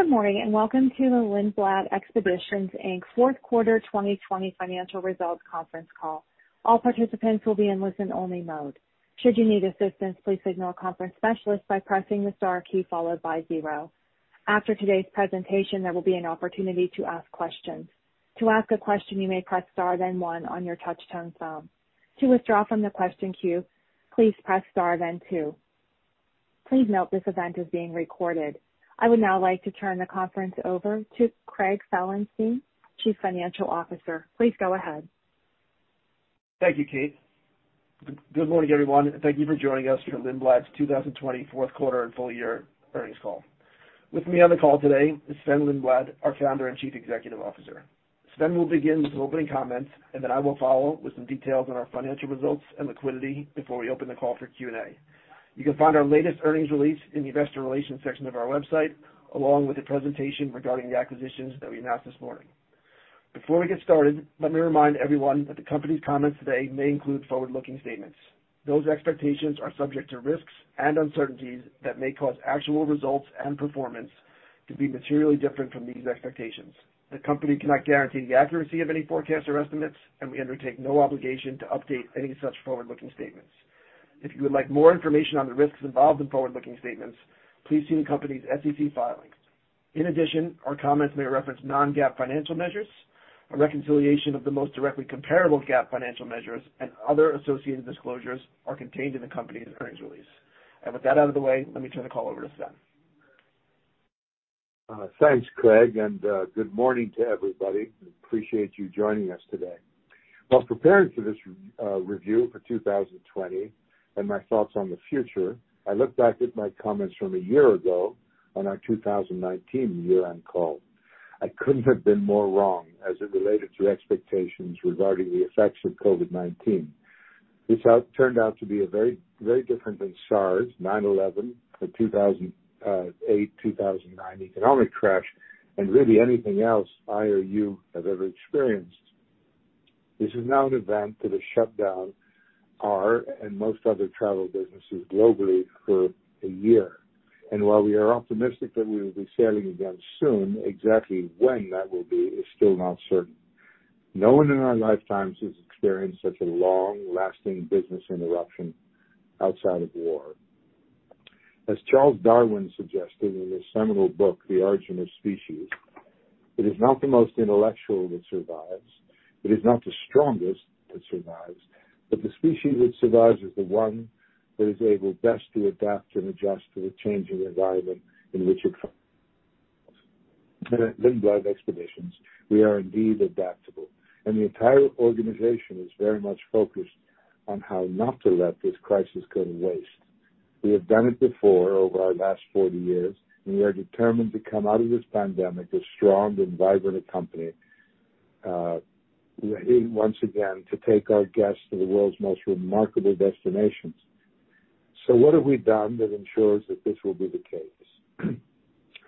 Good morning, welcome to the Lindblad Expeditions, Inc. fourth quarter 2020 financial results conference call. All participants will be in listen-only mode. I would now like to turn the conference over to Craig Felenstein, Chief Financial Officer. Please go ahead. Thank you, Kate. Good morning, everyone, thank you for joining us for Lindblad's 2020 fourth quarter and full year earnings call. With me on the call today is Sven Lindblad, our Founder and Chief Executive Officer. Sven will begin with some opening comments, then I will follow with some details on our financial results and liquidity before we open the call for Q&A. You can find our latest earnings release in the investor relations section of our website, along with the presentation regarding the acquisitions that we announced this morning. Before we get started, let me remind everyone that the company's comments today may include forward-looking statements. Those expectations are subject to risks and uncertainties that may cause actual results and performance to be materially different from these expectations. The company cannot guarantee the accuracy of any forecasts or estimates, and we undertake no obligation to update any such forward-looking statements. If you would like more information on the risks involved in forward-looking statements, please see the company's SEC filings. In addition, our comments may reference non-GAAP financial measures. A reconciliation of the most directly comparable GAAP financial measures and other associated disclosures are contained in the company's earnings release. With that out of the way, let me turn the call over to Sven. Thanks, Craig. Good morning to everybody. Appreciate you joining us today. While preparing for this review for 2020 and my thoughts on the future, I looked back at my comments from a year ago on our 2019 year-end call. I couldn't have been more wrong as it related to expectations regarding the effects of COVID-19. This turned out to be very different than SARS, 9/11, the 2008-2009 economic crash, and really anything else I or you have ever experienced. This is now an event that has shut down our and most other travel businesses globally for a year. While we are optimistic that we will be sailing again soon, exactly when that will be is still not certain. No one in our lifetimes has experienced such a long-lasting business interruption outside of war. As Charles Darwin suggested in his seminal book, "On the Origin of Species," it is not the most intellectual that survives, it is not the strongest that survives, but the species that survives is the one that is able best to adapt and adjust to the changing environment in which it. At Lindblad Expeditions, we are indeed adaptable, and the entire organization is very much focused on how not to let this crisis go to waste. We have done it before over our last 40 years, and we are determined to come out of this pandemic a strong and vibrant company, ready once again to take our guests to the world's most remarkable destinations. What have we done that ensures that this will be the case?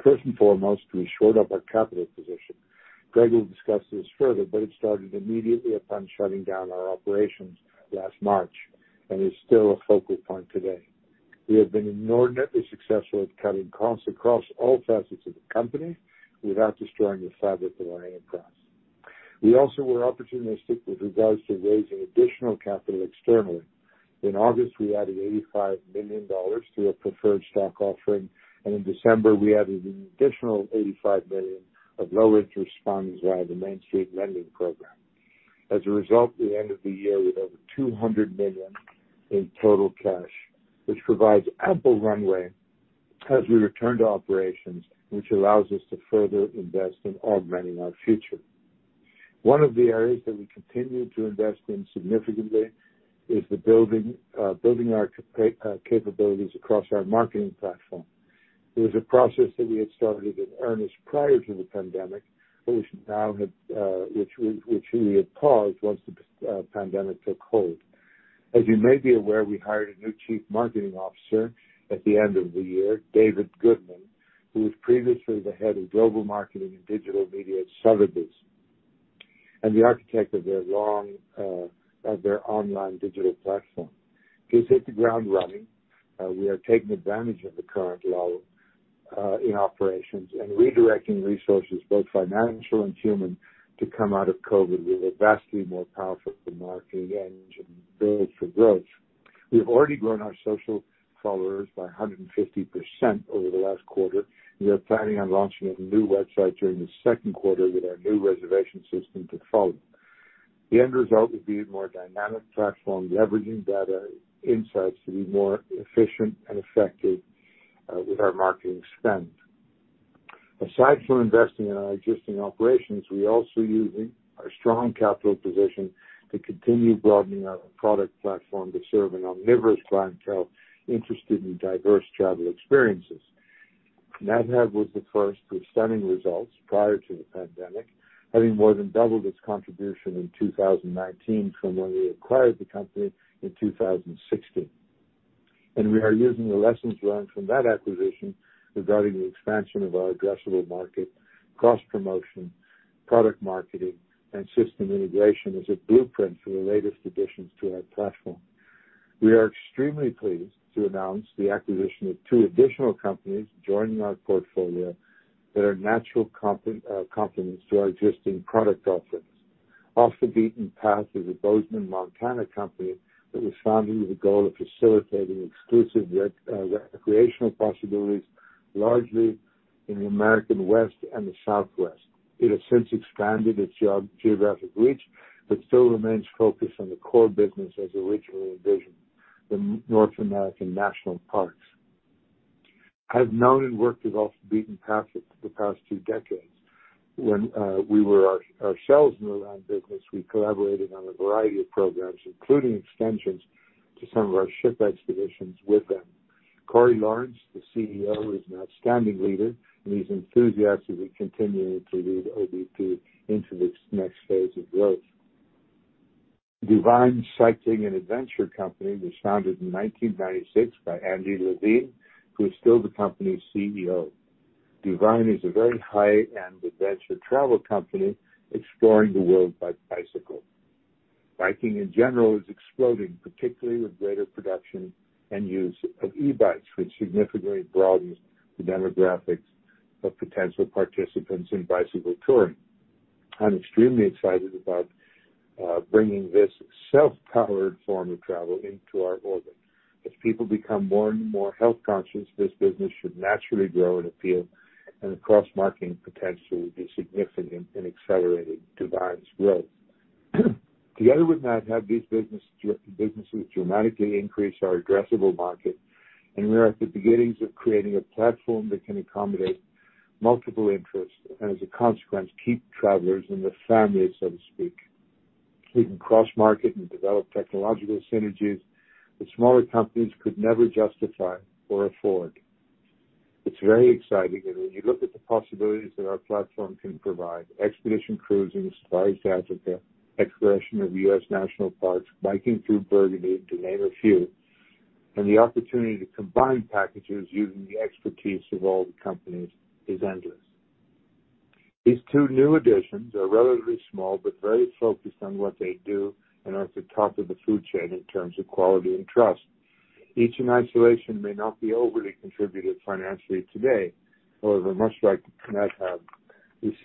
First and foremost, we shored up our capital position. Craig will discuss this further, but it started immediately upon shutting down our operations last March and is still a focal point today. We have been inordinately successful at cutting costs across all facets of the company without destroying the fabric of our enterprise. We also were opportunistic with regards to raising additional capital externally. In August, we added $85 million to a preferred stock offering, and in December, we added an additional $85 million of low-interest funds via the Main Street Lending Program. As a result, at the end of the year, we had over $200 million in total cash, which provides ample runway as we return to operations, which allows us to further invest in augmenting our future. One of the areas that we continue to invest in significantly is the building our capabilities across our marketing platform. It was a process that we had started in earnest prior to the pandemic, which we had paused once the pandemic took hold. As you may be aware, we hired a new Chief Marketing Officer at the end of the year, David Goodman, who was previously the head of global marketing and digital media at Sotheby's and the architect of their online digital platform. He's hit the ground running. We are taking advantage of the current lull in operations and redirecting resources, both financial and human, to come out of COVID with a vastly more powerful marketing engine built for growth. We have already grown our social followers by 150% over the last quarter, and we are planning on launching a new website during the second quarter with our new reservation system to follow. The end result will be a more dynamic platform leveraging data insights to be more efficient and effective with our marketing spend. Aside from investing in our existing operations, we're also using our strong capital position to continue broadening our product platform to serve an omnivorous clientele interested in diverse travel experiences. Nat Hab was the first with stunning results prior to the pandemic, having more than doubled its contribution in 2019 from when we acquired the company in 2016. We are using the lessons learned from that acquisition regarding the expansion of our addressable market, cross-promotion, product marketing, and system integration as a blueprint for the latest additions to our platform. We are extremely pleased to announce the acquisition of two additional companies joining our portfolio that are natural complements to our existing product offerings. Off the Beaten Path is a Bozeman, Montana company that was founded with the goal of facilitating exclusive recreational possibilities, largely in the American West and the Southwest. It has since expanded its geographic reach, but still remains focused on the core business as originally envisioned, the North American National Parks. I've known and worked with Off the Beaten Path for the past two decades. When we were ourselves in the land business, we collaborated on a variety of programs, including extensions to some of our ship expeditions with them. Cory Lawrence, the CEO, is an outstanding leader, and he's enthusiastically continuing to lead OTB into this next phase of growth. DuVine Cycling and Adventure Company was founded in 1996 by Andy Levine, who is still the company's CEO. DuVine is a very high-end adventure travel company, exploring the world by bicycle. Biking, in general, is exploding, particularly with greater production and use of e-bikes, which significantly broadens the demographics of potential participants in bicycle touring. I'm extremely excited about bringing this self-powered form of travel into our orbit. As people become more and more health conscious, this business should naturally grow and appeal, and the cross-marketing potential will be significant in accelerating DuVine's growth. Together with Nat Hab, these businesses dramatically increase our addressable market, and we are at the beginnings of creating a platform that can accommodate multiple interests, and as a consequence, keep travelers in the family, so to speak. We can cross-market and develop technological synergies that smaller companies could never justify or afford. It's very exciting, and when you look at the possibilities that our platform can provide, expedition cruising as far as Africa, exploration of U.S. national parks, biking through Burgundy, to name a few, and the opportunity to combine packages using the expertise of all the companies is endless. These two new additions are relatively small but very focused on what they do and are at the top of the food chain in terms of quality and trust. Each in isolation may not be overly contributive financially today. However, much like Nat Hab, we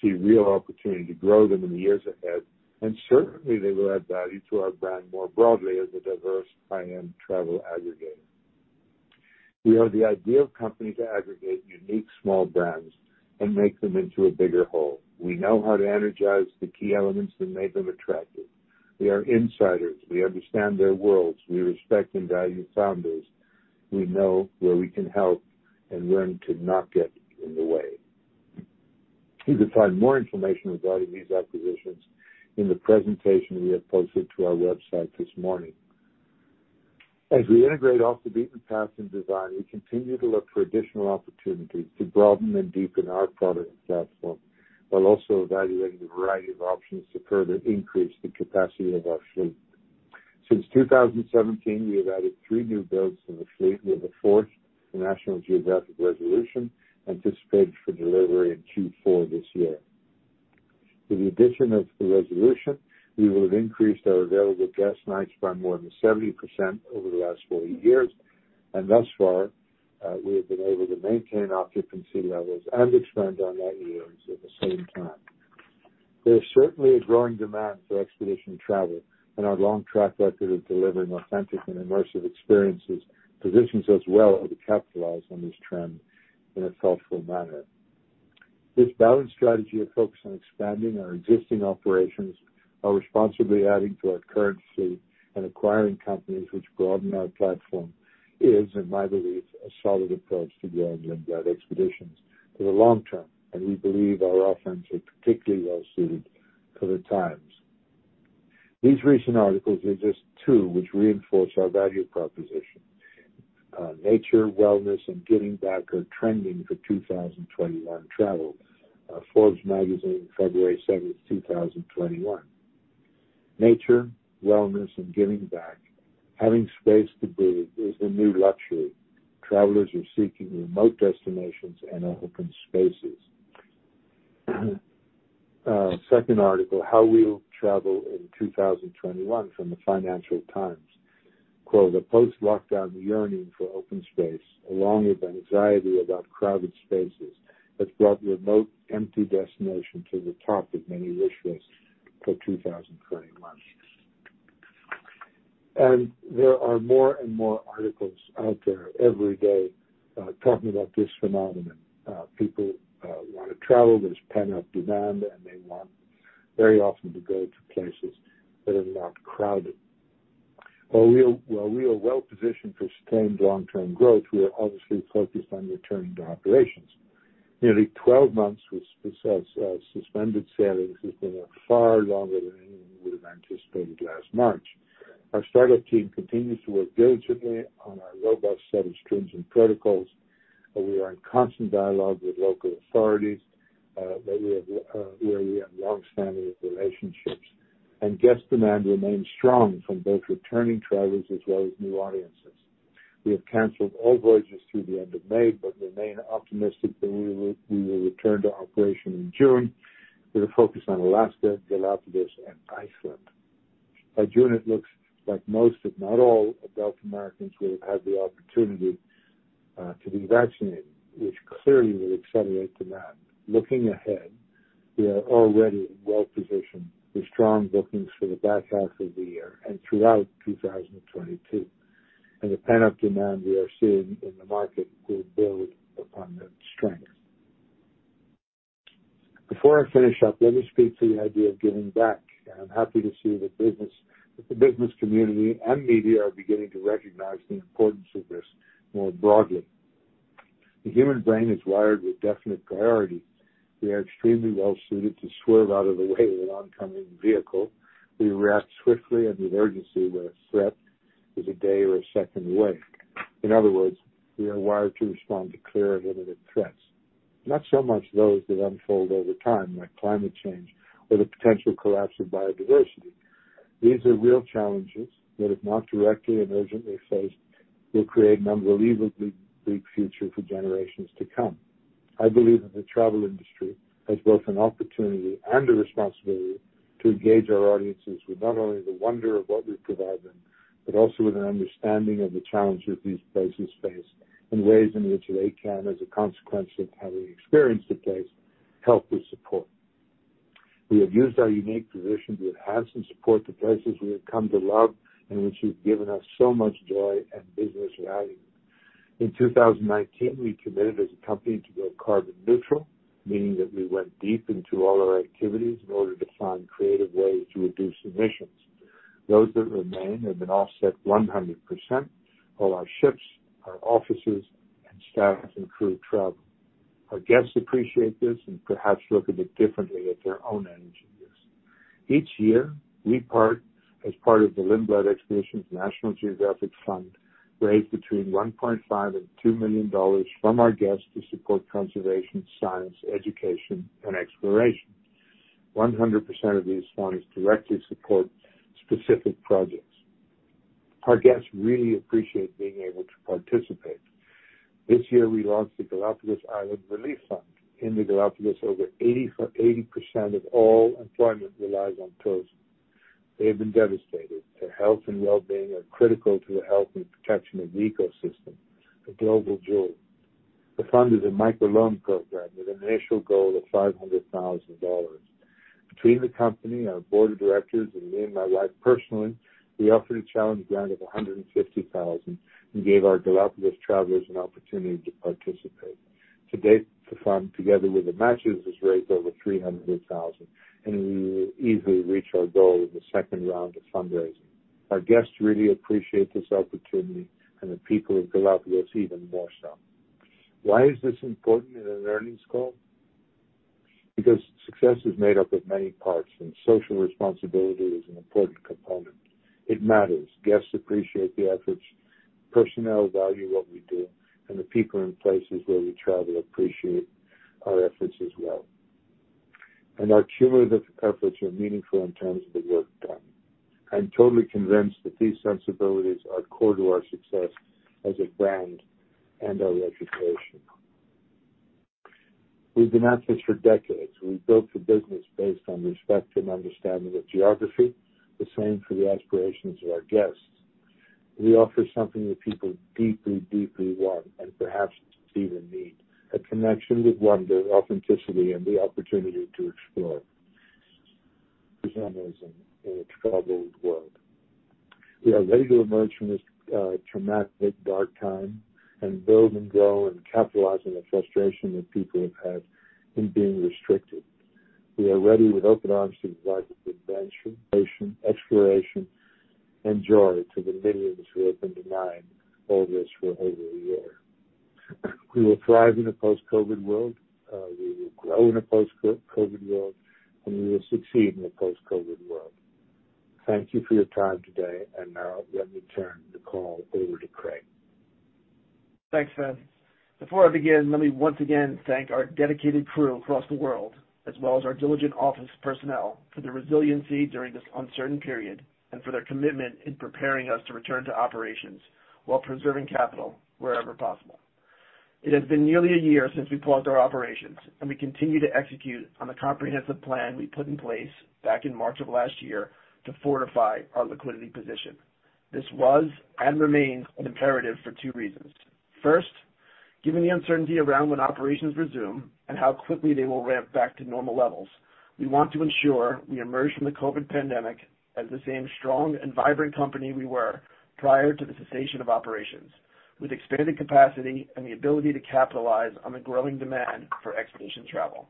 see real opportunity to grow them in the years ahead, and certainly they will add value to our brand more broadly as a diverse high-end travel aggregator. We are the ideal company to aggregate unique small brands and make them into a bigger whole. We know how to energize the key elements that make them attractive. We are insiders. We understand their worlds. We respect and value Founders. We know where we can help and when to not get in the way. You can find more information regarding these acquisitions in the presentation we have posted to our website this morning. As we integrate Off the Beaten Path and DuVine, we continue to look for additional opportunities to broaden and deepen our product platform, while also evaluating a variety of options to further increase the capacity of our fleet. Since 2017, we have added three new builds to the fleet, with a fourth, the National Geographic Resolution, anticipated for delivery in Q4 this year. With the addition of the Resolution, we will have increased our available guest nights by more than 70% over the last four years, and thus far, we have been able to maintain occupancy levels and expand our net yields at the same time. There is certainly a growing demand for expedition travel, and our long track record of delivering authentic and immersive experiences positions us well to capitalize on this trend in a thoughtful manner. This balanced strategy of focus on expanding our existing operations while responsibly adding to our current fleet and acquiring companies which broaden our platform is, in my belief, a solid approach to building Lindblad Expeditions for the long term, and we believe our offerings are particularly well-suited for the times. These recent articles are just two which reinforce our value proposition. Nature, wellness, and giving back are trending for 2021 travel," Forbes Magazine, February 7th, 2021. "Nature, wellness, and giving back. Having space to breathe is the new luxury. Travelers are seeking remote destinations and open spaces." Second article, "How we'll travel in 2021," from the Financial Times. Quote, "A post-lockdown yearning for open space, along with anxiety about crowded spaces, has brought remote, empty destinations to the top of many wish lists for 2021." There are more and more articles out there every day talking about this phenomenon. People want to travel. There's pent-up demand, and they want very often to go to places that are not crowded. While we are well-positioned for sustained long-term growth, we are obviously focused on returning to operations. Nearly 12 months with suspended sailings has been far longer than anyone would have anticipated last March. Our startup team continues to work diligently on our robust set of stringent protocols, and we are in constant dialogue with local authorities, where we have long-standing relationships. Guest demand remains strong from both returning travelers as well as new audiences. We have canceled all voyages through the end of May, but remain optimistic that we will return to operation in June with a focus on Alaska, Galápagos, and Iceland. By June, it looks like most, if not all, adult Americans will have had the opportunity to be vaccinated, which clearly will accelerate demand. Looking ahead, we are already well-positioned with strong bookings for the back half of the year and throughout 2022. The pent-up demand we are seeing in the market will build upon that strength. Before I finish up, let me speak to the idea of giving back. I'm happy to see that the business community and media are beginning to recognize the importance of this more broadly. The human brain is wired with definite priority. We are extremely well-suited to swerve out of the way of an oncoming vehicle. We react swiftly and with urgency when a threat is a day or a second away. In other words, we are wired to respond to clear and limited threats, not so much those that unfold over time, like climate change or the potential collapse of biodiversity. These are real challenges that, if not directly and urgently faced, will create an unbelievably bleak future for generations to come. I believe that the travel industry has both an opportunity and a responsibility to engage our audiences with not only the wonder of what we provide them, but also with an understanding of the challenges these places face and ways in which they can, as a consequence of having experienced a place, help with support. We have used our unique position to enhance and support the places we have come to love and which have given us so much joy and business value. In 2019, we committed as a company to go carbon neutral, meaning that we went deep into all our activities in order to find creative ways to reduce emissions. Those that remain have been offset 100%, all our ships, our offices, and staff and crew travel. Our guests appreciate this and perhaps look a bit differently at their own energy use. Each year, we as part of the Lindblad Expeditions-National Geographic Fund raise between $1.5 million and $2 million from our guests to support conservation, science, education, and exploration. 100% of these funds directly support specific projects. Our guests really appreciate being able to participate. This year, we launched the Galápagos Island Relief Fund. In the Galápagos, over 80% of all employment relies on tourism. They have been devastated. Their health and well-being are critical to the health and protection of the ecosystem, a global jewel. The fund is a microloan program with an initial goal of $500,000. Between the company, our board of directors, and me and my wife personally, we offered a challenge grant of $150,000 and gave our Galápagos travelers an opportunity to participate. To date, the fund, together with the matches, has raised over $300,000, and we will easily reach our goal in the second round of fundraising. Our guests really appreciate this opportunity, and the people of Galápagos even more so. Why is this important in an earnings call? Success is made up of many parts, and social responsibility is an important component. It matters. Guests appreciate the efforts, personnel value what we do, and the people in places where we travel appreciate our efforts as well. Our cumulative efforts are meaningful in terms of the work done. I'm totally convinced that these sensibilities are core to our success as a brand and our reputation. We've been at this for decades. We built a business based on respect and understanding of geography, the same for the aspirations of our guests. We offer something that people deeply want and perhaps even need, a connection with wonder, authenticity, and the opportunity to explore. Tourism in a troubled world. We are ready to emerge from this traumatic dark time and build and grow and capitalize on the frustration that people have had in being restricted. We are ready with open arms to provide adventure, exploration, and joy to the millions who have been denied all this for over a year. We will thrive in a post-COVID world. We will grow in a post-COVID world, and we will succeed in a post-COVID world. Thank you for your time today. Now let me turn the call over to Craig. Thanks, Sven. Before I begin, let me once again thank our dedicated crew across the world, as well as our diligent office personnel for their resiliency during this uncertain period and for their commitment in preparing us to return to operations while preserving capital wherever possible. It has been nearly a year since we paused our operations, and we continue to execute on the comprehensive plan we put in place back in March of last year to fortify our liquidity position. This was and remains an imperative for two reasons. First, given the uncertainty around when operations resume and how quickly they will ramp back to normal levels, we want to ensure we emerge from the COVID-19 pandemic as the same strong and vibrant company we were prior to the cessation of operations, with expanded capacity and the ability to capitalize on the growing demand for expedition travel.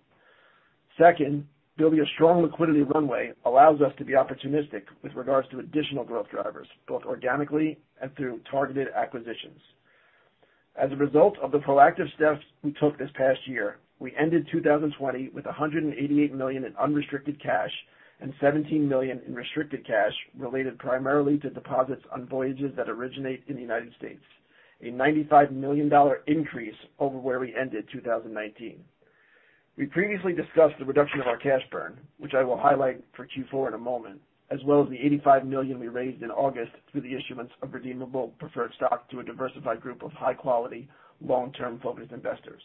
Building a strong liquidity runway allows us to be opportunistic with regards to additional growth drivers, both organically and through targeted acquisitions. As a result of the proactive steps we took this past year, we ended 2020 with $188 million in unrestricted cash and $17 million in restricted cash related primarily to deposits on voyages that originate in the U.S., a $95 million increase over where we ended 2019. We previously discussed the reduction of our cash burn, which I will highlight for Q4 in a moment, as well as the $85 million we raised in August through the issuance of redeemable preferred stock to a diversified group of high-quality, long-term-focused investors.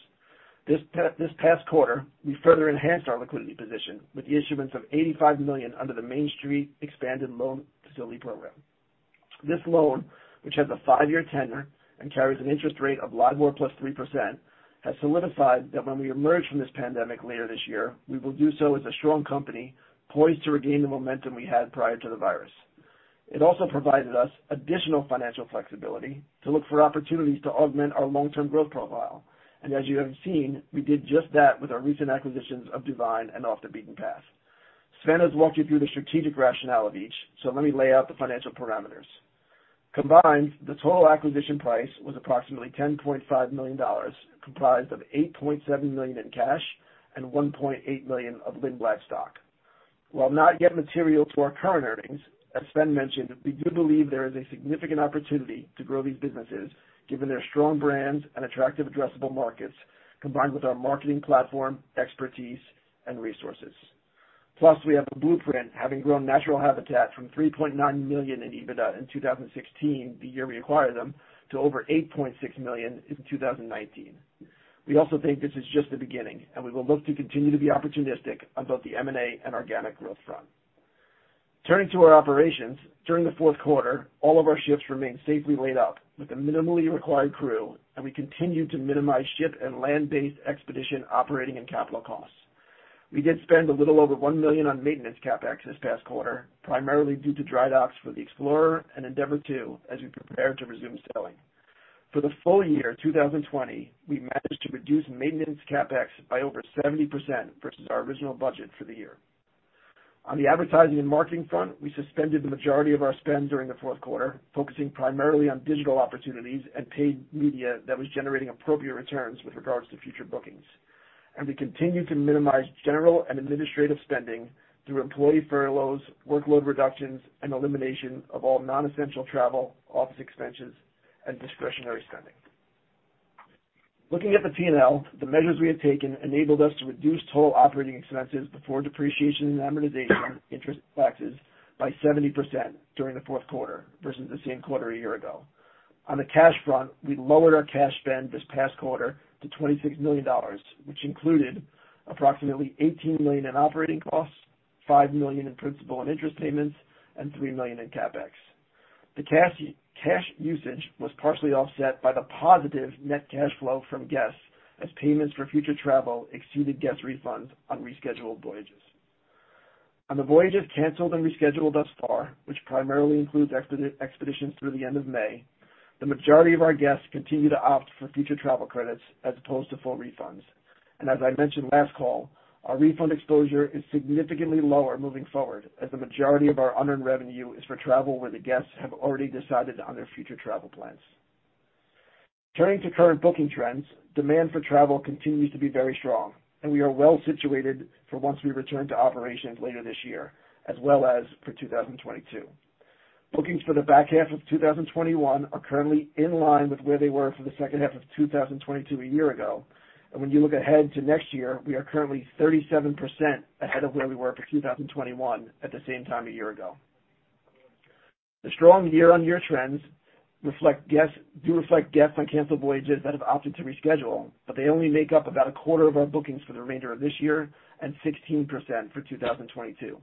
This past quarter, we further enhanced our liquidity position with the issuance of $85 million under the Main Street Expanded Loan Facility program. This loan, which has a five year tenure and carries an interest rate of LIBOR +3%, has solidified that when we emerge from this pandemic later this year, we will do so as a strong company poised to regain the momentum we had prior to the virus. It also provided us additional financial flexibility to look for opportunities to augment our long-term growth profile. As you have seen, we did just that with our recent acquisitions of DuVine and Off the Beaten Path. Sven has walked you through the strategic rationale of each, so let me lay out the financial parameters. Combined, the total acquisition price was approximately $10.5 million, comprised of $8.7 million in cash and $1.8 million of Lindblad stock. While not yet material to our current earnings, as Sven mentioned, we do believe there is a significant opportunity to grow these businesses given their strong brands and attractive addressable markets, combined with our marketing platform, expertise, and resources. We have a blueprint, having grown Natural Habitat from $3.9 million in EBITDA in 2016, the year we acquired them, to over $8.6 million in 2019. We also think this is just the beginning, and we will look to continue to be opportunistic on both the M&A and organic growth front. Turning to our operations, during the fourth quarter, all of our ships remained safely laid up with a minimally required crew, and we continued to minimize ship and land-based expedition operating and capital costs. We did spend a little over $1 million on maintenance CapEx this past quarter, primarily due to dry docks for the Explorer and Endeavour II as we prepare to resume sailing. For the full year 2020, we managed to reduce maintenance CapEx by over 70% versus our original budget for the year. On the advertising and marketing front, we suspended the majority of our spend during the fourth quarter, focusing primarily on digital opportunities and paid media that was generating appropriate returns with regards to future bookings. We continued to minimize general and administrative spending through employee furloughs, workload reductions, and elimination of all non-essential travel, office expenses, and discretionary spending. Looking at the P&L, the measures we have taken enabled us to reduce total operating expenses before depreciation and amortization, interest, and taxes, by 70% during the fourth quarter versus the same quarter a year ago. On the cash front, we lowered our cash spend this past quarter to $26 million, which included approximately $18 million in operating costs, $5 million in principal and interest payments, and $3 million in CapEx. The cash usage was partially offset by the positive net cash flow from guests, as payments for future travel exceeded guest refunds on rescheduled voyages. On the voyages canceled and rescheduled thus far, which primarily includes expeditions through the end of May, the majority of our guests continue to opt for future travel credits as opposed to full refunds. As I mentioned last call, our refund exposure is significantly lower moving forward, as the majority of our unearned revenue is for travel where the guests have already decided on their future travel plans. Turning to current booking trends, demand for travel continues to be very strong, and we are well-situated for once we return to operations later this year, as well as for 2022. Bookings for the back half of 2021 are currently in line with where they were for the second half of 2020 a year ago. When you look ahead to next year, we are currently 37% ahead of where we were for 2021 at the same time a year ago. The strong year-on-year trends do reflect guests on canceled voyages that have opted to reschedule, but they only make up about a quarter of our bookings for the remainder of this year and 16% for 2022.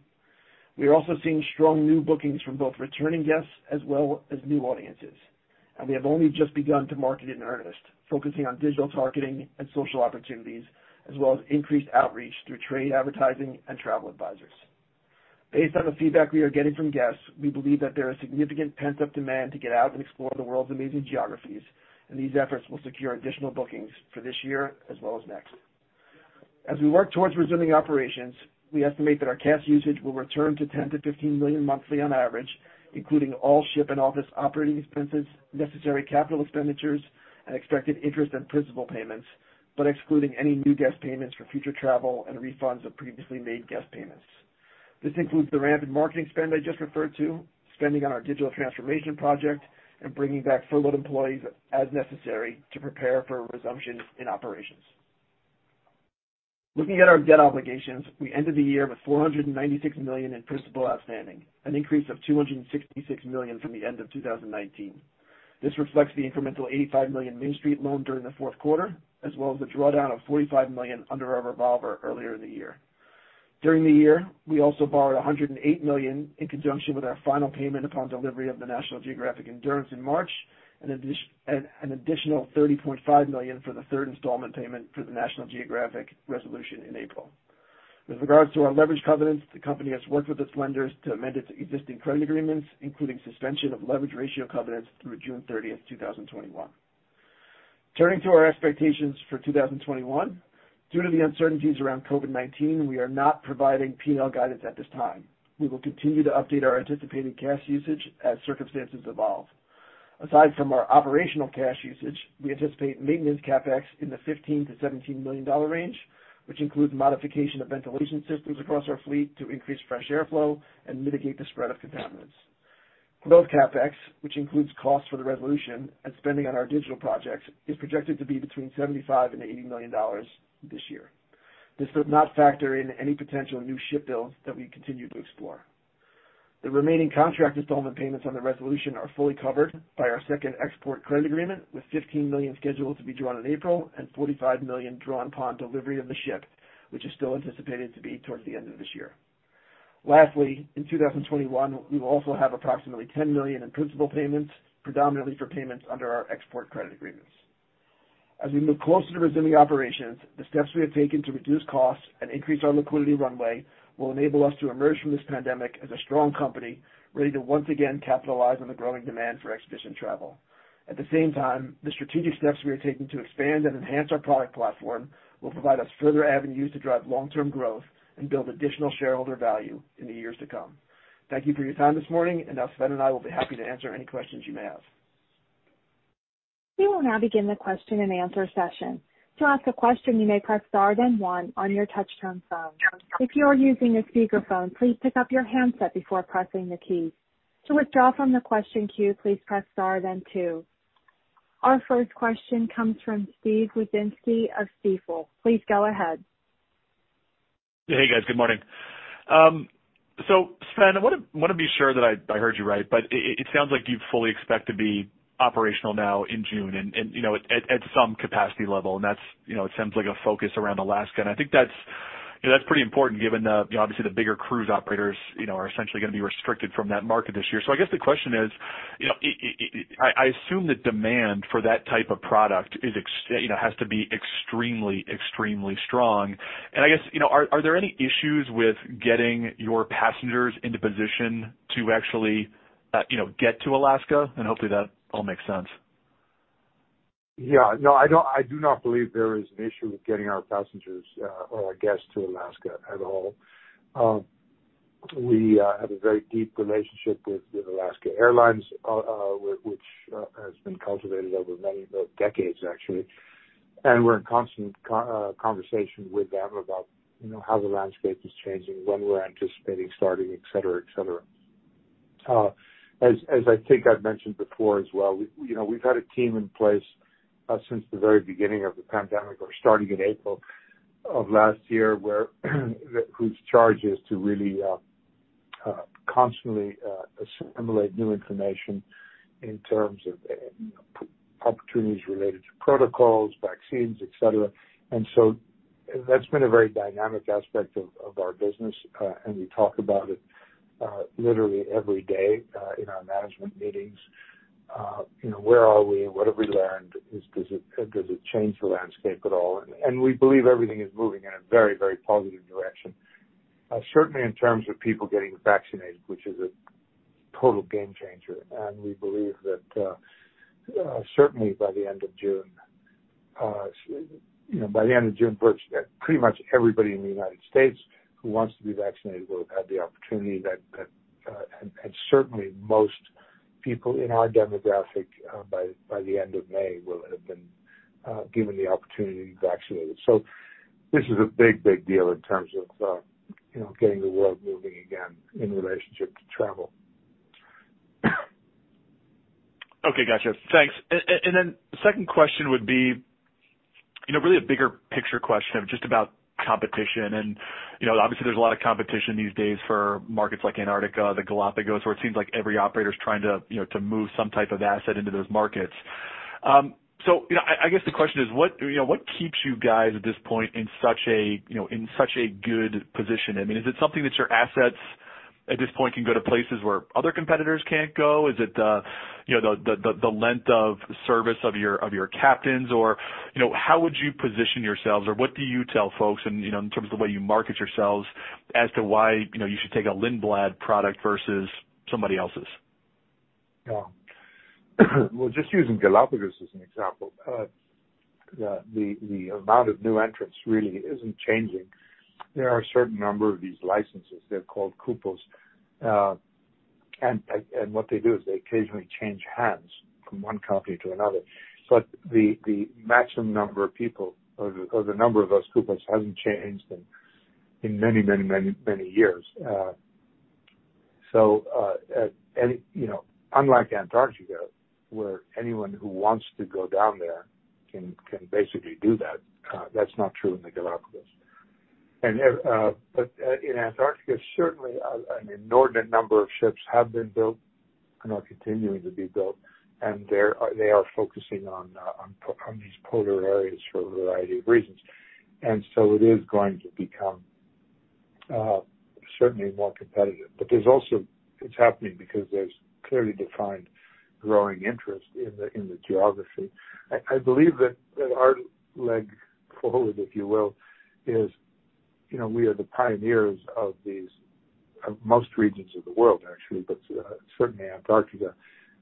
We are also seeing strong new bookings from both returning guests as well as new audiences. We have only just begun to market in earnest, focusing on digital targeting and social opportunities, as well as increased outreach through trade advertising and travel advisors. Based on the feedback we are getting from guests, we believe that there is significant pent-up demand to get out and explore the world's amazing geographies, and these efforts will secure additional bookings for this year as well as next. As we work towards resuming operations, we estimate that our cash usage will return to $10 million-$15 million monthly on average, including all ship and office operating expenses, necessary capital expenditures, and expected interest and principal payments, but excluding any new guest payments for future travel and refunds of previously made guest payments. This includes the ramp in marketing spend I just referred to, spending on our digital transformation project, and bringing back furloughed employees as necessary to prepare for a resumption in operations. Looking at our debt obligations, we ended the year with $496 million in principal outstanding, an increase of $266 million from the end of 2019. This reflects the incremental $85 million Main Street loan during the fourth quarter, as well as the drawdown of $45 million under our revolver earlier in the year. During the year, we also borrowed $108 million in conjunction with our final payment upon delivery of the National Geographic Endurance in March, and an additional $30.5 million for the third installment payment for the National Geographic Resolution in April. With regards to our leverage covenants, the company has worked with its lenders to amend its existing credit agreements, including suspension of leverage ratio covenants through June 30th, 2021. Turning to our expectations for 2021, due to the uncertainties around COVID-19, we are not providing P&L guidance at this time. We will continue to update our anticipated cash usage as circumstances evolve. Aside from our operational cash usage, we anticipate maintenance CapEx in the $15 million-$17 million range, which includes modification of ventilation systems across our fleet to increase fresh airflow and mitigate the spread of contaminants. For growth CapEx, which includes costs for the Resolution and spending on our digital projects, is projected to be between $75 million and $80 million this year. This does not factor in any potential new ship builds that we continue to explore. The remaining contract installment payments on the Resolution are fully covered by our second export credit agreement, with $15 million scheduled to be drawn in April and $45 million drawn upon delivery of the ship, which is still anticipated to be towards the end of this year. Lastly, in 2021, we will also have approximately $10 million in principal payments, predominantly for payments under our export credit agreements. As we move closer to resuming operations, the steps we have taken to reduce costs and increase our liquidity runway will enable us to emerge from this pandemic as a strong company, ready to once again capitalize on the growing demand for expedition travel. At the same time, the strategic steps we are taking to expand and enhance our product platform will provide us further avenues to drive long-term growth and build additional shareholder value in the years to come. Thank you for your time this morning, and now Sven and I will be happy to answer any questions you may have. We will now begin the question and answer session. To ask a question, you may press star then one on your touch-tone phone. If you are using a speakerphone, please pick up your handset before pressing the key. To withdraw from the question queue, please press star then two. Our first question comes from Steve Wieczynski of Stifel. Please go ahead. Hey, guys. Good morning. Sven, I want to be sure that I heard you right, but it sounds like you fully expect to be operational now in June and at some capacity level, and it sounds like a focus around Alaska. I think that's pretty important given obviously the bigger cruise operators are essentially going to be restricted from that market this year. I guess the question is, I assume the demand for that type of product has to be extremely strong. I guess, are there any issues with getting your passengers into position to actually get to Alaska? Hopefully that all makes sense. No, I do not believe there is an issue with getting our passengers or our guests to Alaska at all. We have a very deep relationship with Alaska Airlines, which has been cultivated over many decades, actually. We're in constant conversation with them about how the landscape is changing, when we're anticipating starting, et cetera. As I think I've mentioned before as well, we've had a team in place since the very beginning of the pandemic, or starting in April of last year, whose charge is to really constantly assimilate new information in terms of opportunities related to protocols, vaccines, et cetera. That's been a very dynamic aspect of our business. We talk about it literally every day in our management meetings. Where are we? What have we learned? Does it change the landscape at all? We believe everything is moving in a very positive direction. Certainly in terms of people getting vaccinated, which is a total game changer. We believe that certainly by the end of June, pretty much everybody in the U.S. who wants to be vaccinated will have had the opportunity that and certainly most people in our demographic, by the end of May, will have been given the opportunity to be vaccinated. This is a big deal in terms of getting the world moving again in relationship to travel. Okay, got you. Thanks. The second question would be really a bigger picture question of just about competition. Obviously there's a lot of competition these days for markets like Antarctica, the Galápagos, where it seems like every operator is trying to move some type of asset into those markets. I guess the question is, what keeps you guys at this point in such a good position? Is it something that your assets at this point can go to places where other competitors can't go? Is it the length of service of your captains? How would you position yourselves? What do you tell folks in terms of the way you market yourselves as to why you should take a Lindblad product versus somebody else's? Just using Galápagos as an example, the amount of new entrants really isn't changing. There are a certain number of these licenses, they're called cupos, and what they do is they occasionally change hands from one company to another. The maximum number of people, or the number of those cupos hasn't changed in many years. Unlike Antarctica, where anyone who wants to go down there can basically do that's not true in the Galápagos. In Antarctica, certainly an inordinate number of ships have been built and are continuing to be built, and they are focusing on these polar areas for a variety of reasons. It is going to become certainly more competitive. It's happening because there's clearly defined growing interest in the geography. I believe that our leg forward, if you will, is we are the pioneers of most regions of the world, actually, but certainly Antarctica.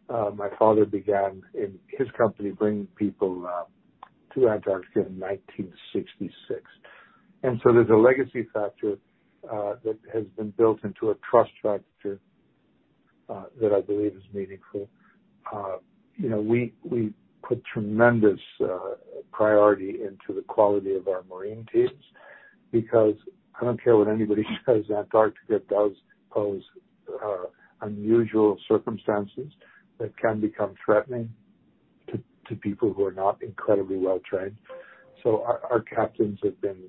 My father began his company bringing people to Antarctica in 1966. There's a legacy factor that has been built into a trust factor that I believe is meaningful. We put tremendous priority into the quality of our marine teams. Because I don't care what anybody says, Antarctica does pose unusual circumstances that can become threatening to people who are not incredibly well-trained. Our captains have been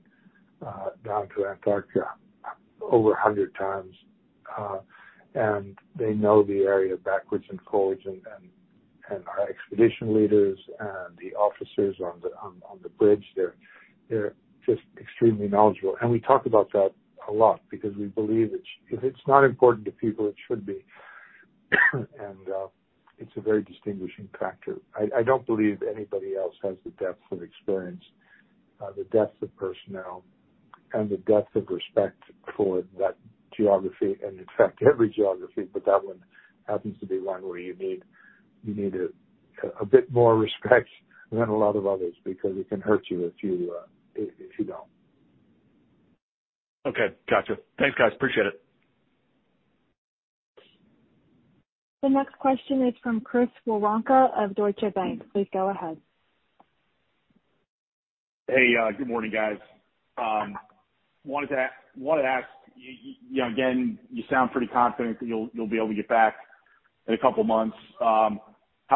down to Antarctica over 100 times, and they know the area backwards and forwards. Our expedition leaders and the officers on the bridge, they're just extremely knowledgeable. We talk about that a lot because we believe if it's not important to people, it should be. It's a very distinguishing factor. I don't believe anybody else has the depth of experience, the depth of personnel, and the depth of respect for that geography and in fact, every geography, but that one happens to be one where you need a bit more respect than a lot of others because it can hurt you if you don't. Okay, got you. Thanks, guys. Appreciate it. The next question is from Chris Woronka of Deutsche Bank. Please go ahead. Hey, good morning, guys. Wanted to ask, again, you sound pretty confident that you'll be able to get back in a couple of months. How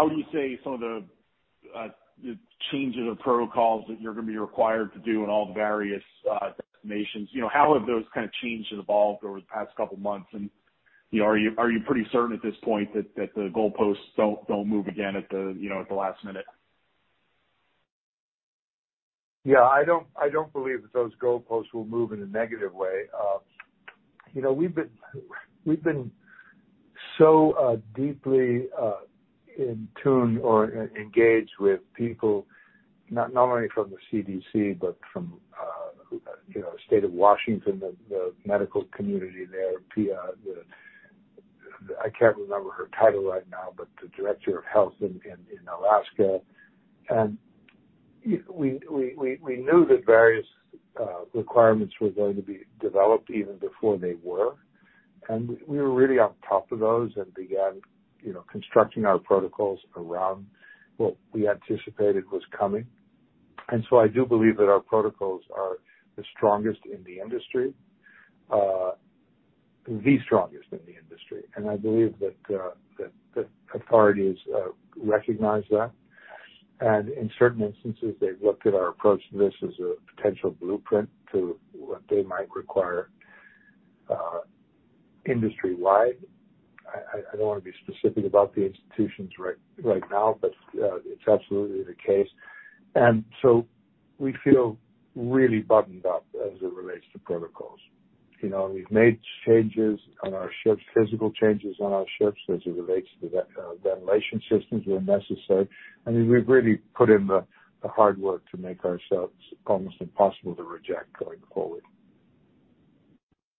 would you say some of the changes or protocols that you're going to be required to do in all the various destinations, how have those kind of changed and evolved over the past couple of months? Are you pretty certain at this point that the goalposts don't move again at the last minute? Yeah, I don't believe that those goalposts will move in a negative way. We've been so deeply in tune or engaged with people, not only from the CDC, but from the state of Washington, the medical community there, Pia, I can't remember her title right now, but the Director of Health in Alaska. We knew that various requirements were going to be developed even before they were. We were really on top of those and began constructing our protocols around what we anticipated was coming. I do believe that our protocols are the strongest in the industry. The strongest in the industry. I believe that the authorities recognize that. In certain instances, they've looked at our approach to this as a potential blueprint to what they might require industry-wide. I don't want to be specific about the institutions right now, but it's absolutely the case. We feel really buttoned up as it relates to protocols. We've made changes on our ships, physical changes on our ships as it relates to the ventilation systems where necessary. I mean, we've really put in the hard work to make ourselves almost impossible to reject going forward.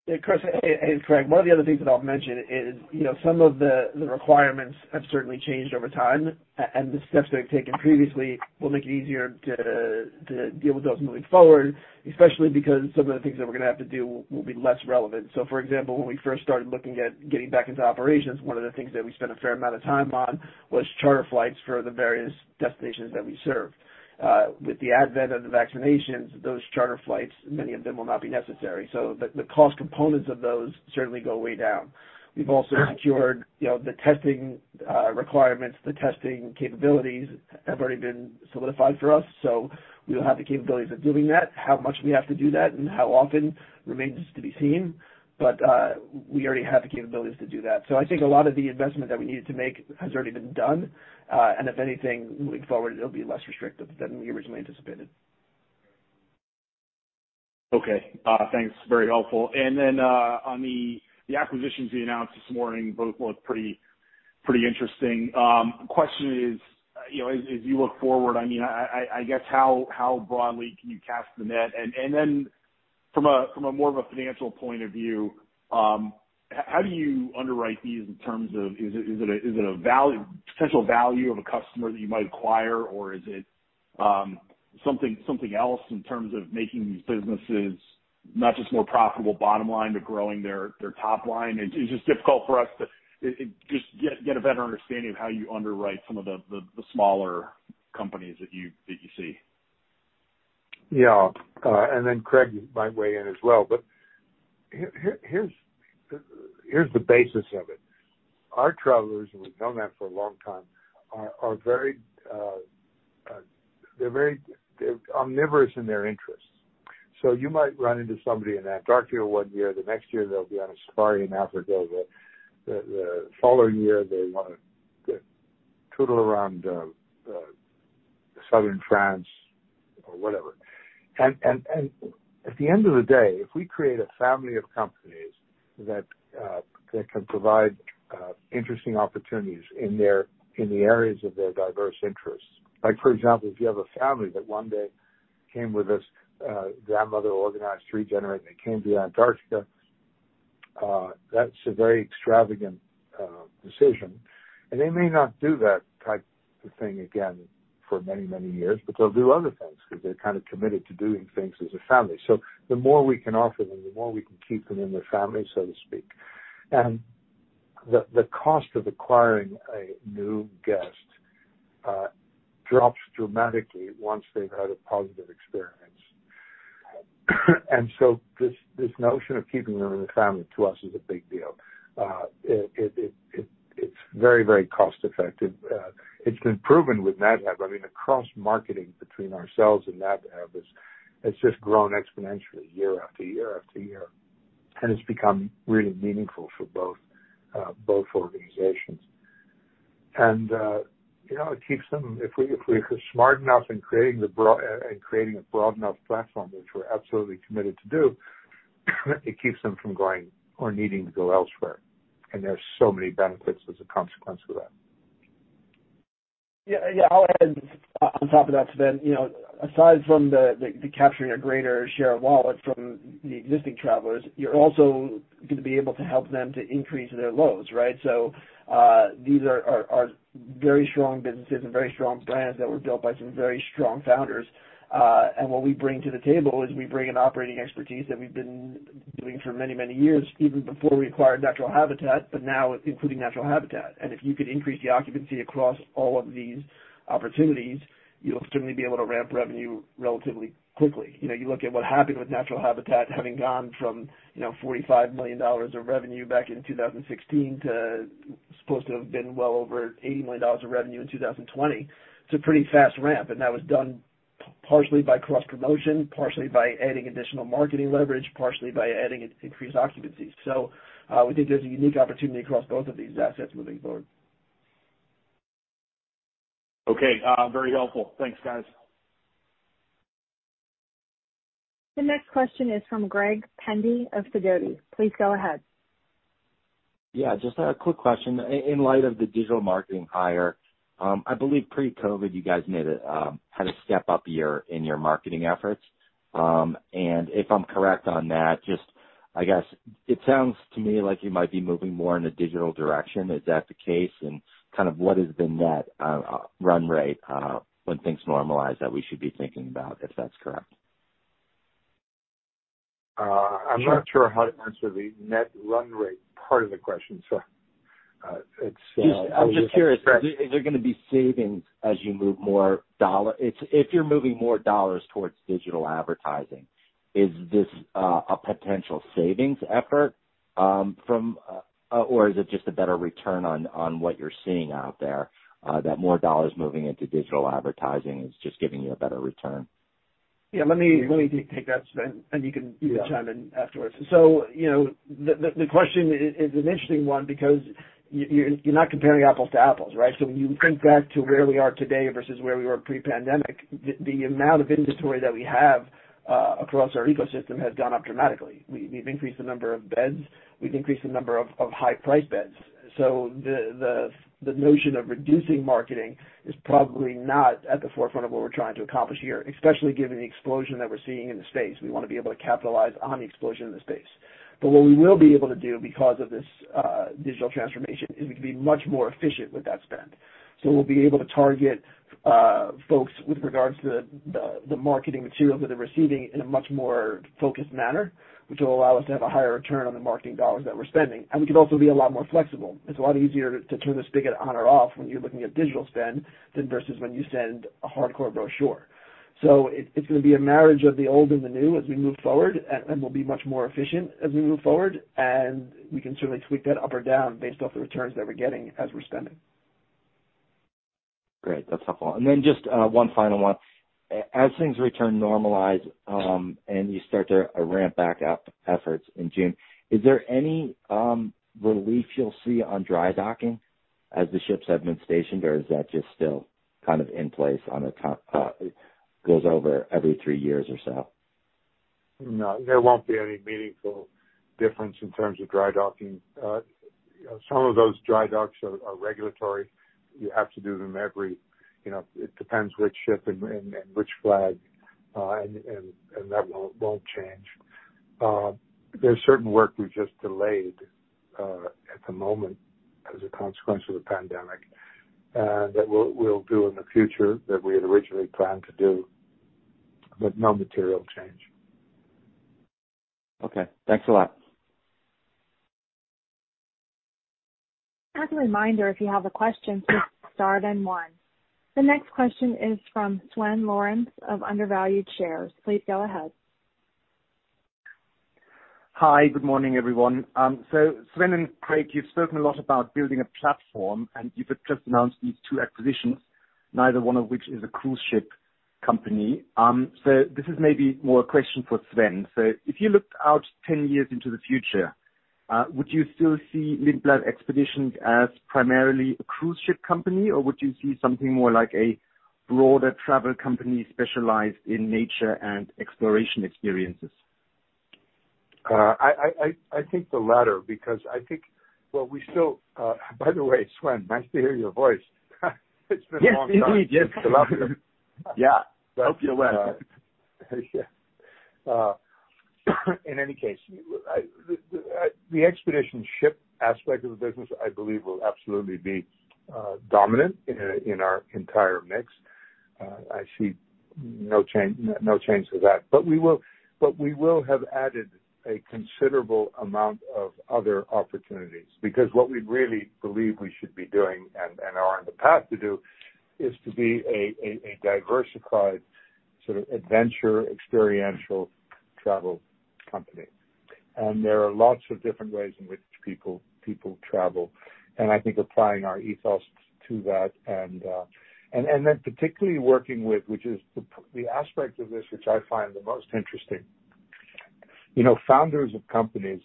Yeah, Chris. Hey, it's Craig. One of the other things that I'll mention is some of the requirements have certainly changed over time, and the steps that we've taken previously will make it easier to deal with those moving forward, especially because some of the things that we're going to have to do will be less relevant. For example, when we first started looking at getting back into operations, one of the things that we spent a fair amount of time on was charter flights for the various destinations that we serve. With the advent of the vaccinations, those charter flights, many of them will not be necessary. The cost components of those certainly go way down. We've also secured the testing requirements, the testing capabilities have already been solidified for us, so we will have the capabilities of doing that. How much we have to do that and how often remains to be seen. We already have the capabilities to do that. I think a lot of the investment that we needed to make has already been done. If anything, moving forward, it'll be less restrictive than we originally anticipated. Okay, thanks. Very helpful. On the acquisitions you announced this morning, both look pretty interesting. Question is, as you look forward, I guess, how broadly can you cast the net? From a more of a financial point of view, how do you underwrite these in terms of, is it a potential value of a customer that you might acquire or is it something else in terms of making these businesses not just more profitable bottom line, but growing their top line? It's just difficult for us to just get a better understanding of how you underwrite some of the smaller companies that you see. Craig might weigh in as well, here's the basis of it. Our travelers, we've known that for a long time, they're omnivorous in their interests. You might run into somebody in Antarctica one year. The next year, they'll be on a safari in Africa. The following year, they want to tootle around southern France or whatever. At the end of the day, if we create a family of companies that can provide interesting opportunities in the areas of their diverse interests. For example, if you have a family that one day came with us, grandmother organized three generations, they came to Antarctica, that's a very extravagant decision. They may not do that type of thing again for many, many years, they'll do other things because they're kind of committed to doing things as a family. The more we can offer them, the more we can keep them in the family, so to speak. The cost of acquiring a new guest drops dramatically once they've had a positive experience. This notion of keeping them in the family, to us, is a big deal. It's very cost-effective. It's been proven with Nat Hab. I mean, the cross-marketing between ourselves and Nat Hab has just grown exponentially year-after-year. It's become really meaningful for both organizations. If we're smart enough in creating a broad enough platform, which we're absolutely committed to do, it keeps them from going or needing to go elsewhere, and there's so many benefits as a consequence of that. Yeah. I'll add on top of that, Sven. Aside from the capturing a greater share of wallet from the existing travelers, you're also going to be able to help them to increase their loads, right? These are very strong businesses and very strong brands that were built by some very strong founders. What we bring to the table is we bring an operating expertise that we've been doing for many years, even before we acquired Natural Habitat, but now including Natural Habitat. If you could increase the occupancy across all of these opportunities, you'll certainly be able to ramp revenue relatively quickly. You look at what happened with Natural Habitat having gone from $45 million of revenue back in 2016 to supposed to have been well over $80 million of revenue in 2020. It's a pretty fast ramp, and that was done partially by cross-promotion, partially by adding additional marketing leverage, partially by adding increased occupancy. We think there's a unique opportunity across both of these assets moving forward. Okay. Very helpful. Thanks, guys. The next question is from Greg Pendy of Sidoti. Please go ahead. Yeah, just a quick question. In light of the digital marketing hire, I believe pre-COVID, you guys had a step up in your marketing efforts. If I'm correct on that, I guess it sounds to me like you might be moving more in a digital direction. Is that the case? What has been net run rate when things normalize that we should be thinking about, if that's correct? I'm not sure how to answer the net run rate part of the question, so it's. I'm just curious, is there going to be savings as you move more dollars towards digital advertising, is this a potential savings effort? Is it just a better return on what you're seeing out there, that more dollars moving into digital advertising is just giving you a better return? Yeah, let me take that, Sven, and you can chime in afterwards. The question is an interesting one because you're not comparing apples to apples, right? When you think back to where we are today versus where we were pre-pandemic, the amount of inventory that we have across our ecosystem has gone up dramatically. We've increased the number of beds, we've increased the number of high-price beds. The notion of reducing marketing is probably not at the forefront of what we're trying to accomplish here, especially given the explosion that we're seeing in the space. We want to be able to capitalize on the explosion in the space. What we will be able to do because of this digital transformation is we can be much more efficient with that spend. We'll be able to target folks with regards to the marketing materials that they're receiving in a much more focused manner, which will allow us to have a higher return on the marketing dollars that we're spending. We can also be a lot more flexible. It's a lot easier to turn the spigot on or off when you're looking at digital spend than versus when you send a hardcore brochure. It's going to be a marriage of the old and the new as we move forward, and we'll be much more efficient as we move forward, and we can certainly tweak that up or down based off the returns that we're getting as we're spending. Great. That's helpful. Just one final one. As things return normalize, and you start to ramp back up efforts in June, is there any relief you'll see on dry docking as the ships have been stationed, or is that just still kind of in place? It goes over every three years or so. No, there won't be any meaningful difference in terms of dry docking. Some of those dry docks are regulatory. You have to do them every, it depends which ship and which flag, and that won't change. There's certain work we've just delayed at the moment as a consequence of the pandemic that we'll do in the future that we had originally planned to do, but no material change. Okay. Thanks a lot. As a reminder, if you have a question, please star then one. The next question is from Swen Lorenz of Undervalued Shares. Please go ahead. Hi. Good morning, everyone. Sven and Craig, you've spoken a lot about building a platform, and you've just announced these two acquisitions, neither one of which is a cruise ship company. This is maybe more a question for Sven. If you looked out 10 years into the future, would you still see Lindblad Expeditions as primarily a cruise ship company, or would you see something more like a broader travel company specialized in nature and exploration experiences? I think the latter because I think what we still. By the way, Swen, nice to hear your voice. It's been a long time. Yes, indeed. Yes. Welcome. Yeah. Hope you're well. Yeah. In any case, the expedition ship aspect of the business, I believe, will absolutely be dominant in our entire mix. I see no change to that. We will have added a considerable amount of other opportunities, because what we really believe we should be doing, and are on the path to do, is to be a diversified sort of adventure experiential travel company. There are lots of different ways in which people travel, and I think applying our ethos to that and then particularly working with, which is the aspect of this which I find the most interesting. Founders of companies,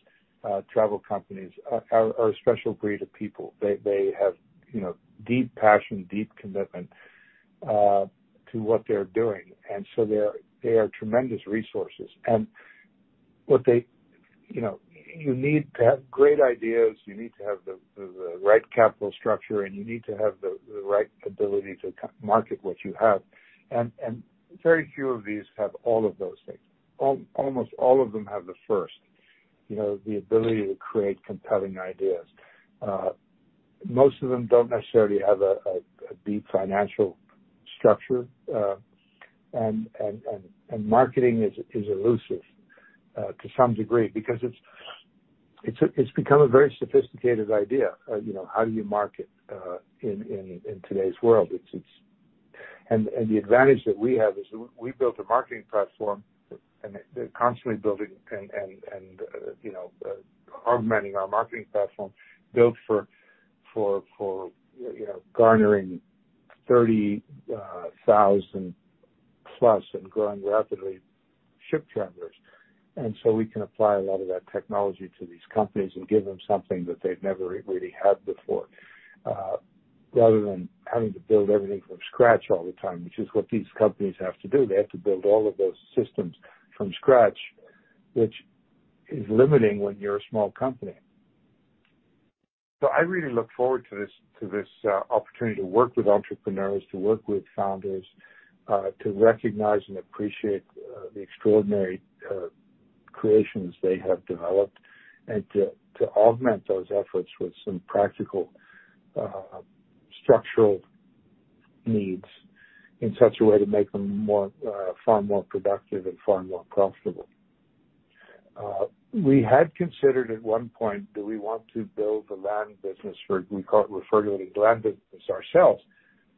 travel companies, are a special breed of people. They have deep passion, deep commitment to what they're doing, and so they are tremendous resources. You need to have great ideas, you need to have the right capital structure, and you need to have the right ability to market what you have. Very few of these have all of those things. Almost all of them have the first, the ability to create compelling ideas. Most of them don't necessarily have a deep financial structure. Marketing is elusive, to some degree, because it's become a very sophisticated idea. How do you market in today's world? The advantage that we have is we built a marketing platform, and constantly building and augmenting our marketing platform built for garnering 30,000+ and growing rapidly ship travelers. We can apply a lot of that technology to these companies and give them something that they've never really had before, rather than having to build everything from scratch all the time, which is what these companies have to do. They have to build all of those systems from scratch, which is limiting when you're a small company. I really look forward to this opportunity to work with entrepreneurs, to work with founders, to recognize and appreciate the extraordinary creations they have developed, and to augment those efforts with some practical structural needs in such a way to make them far more productive and far more profitable. We had considered at one point, do we want to build a land business for, we refer to it as land business ourselves,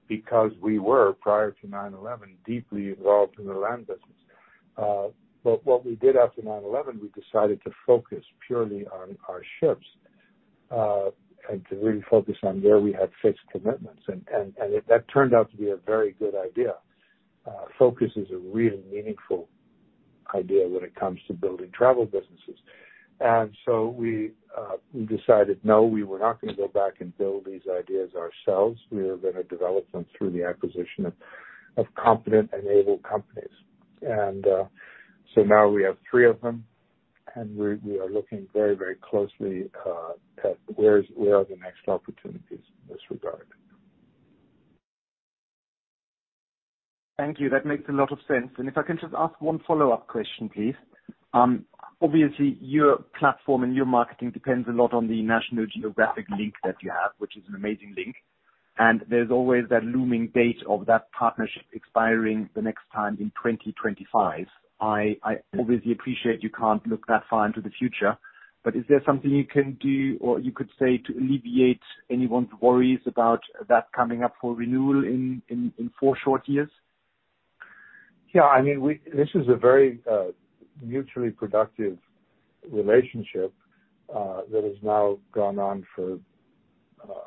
because we were, prior to 9/11, deeply involved in the land business. What we did after 9/11, we decided to focus purely on our ships, and to really focus on where we had fixed commitments. That turned out to be a very good idea. Focus is a really meaningful idea when it comes to building travel businesses. We decided, no, we were not going to go back and build these ideas ourselves. We were going to develop them through the acquisition of competent and able companies. Now we have three of them, and we are looking very closely at where are the next opportunities in this regard. Thank you. That makes a lot of sense. If I can just ask one follow-up question, please. Obviously, your platform and your marketing depends a lot on the National Geographic link that you have, which is an amazing link. There's always that looming date of that partnership expiring the next time in 2025. I obviously appreciate you can't look that far into the future. Is there something you can do or you could say to alleviate anyone's worries about that coming up for renewal in four short years? This is a very mutually productive relationship that has now gone on for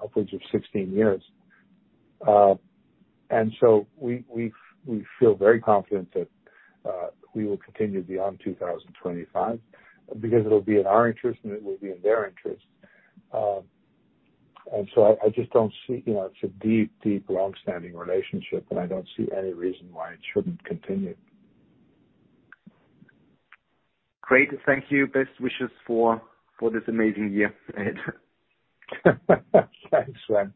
upwards of 16 years. We feel very confident that we will continue beyond 2025 because it'll be in our interest, and it will be in their interest. It's a deep, longstanding relationship, and I don't see any reason why it shouldn't continue. Great. Thank you. Best wishes for this amazing year ahead. Thanks, Swen.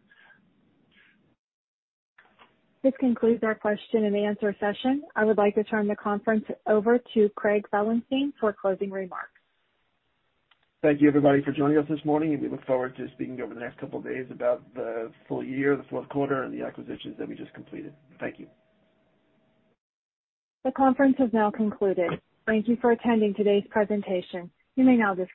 This concludes our question and answer session. I would like to turn the conference over to Craig Felenstein for closing remarks. Thank you, everybody, for joining us this morning, and we look forward to speaking over the next couple of days about the full year, the fourth quarter, and the acquisitions that we just completed. Thank you. The conference has now concluded. Thank you for attending today's presentation. You may now disconnect.